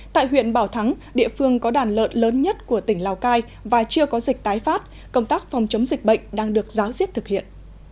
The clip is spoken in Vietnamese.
tại huyện bảo thắng địa phương có đàn lợn lớn nhất của tỉnh lào cai và chưa có dịch tái phát công tác phòng chống dịch bệnh đang được giáo diết thực hiện